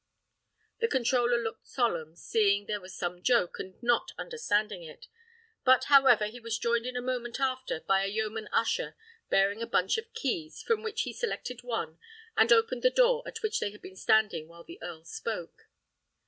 The controller looked solemn, seeing there was some joke, and not understanding it; but, however, he was joined in a moment after by a yeoman usher, bearing a bunch of keys, from which he selected one, and opened the door at which they had been standing while the earl spoke.